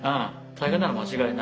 大変なのは間違いない。